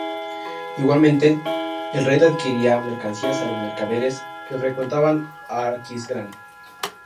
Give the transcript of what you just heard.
Igualmente, el rey adquiría mercancías a los mercaderes que frecuentaban Aquisgrán.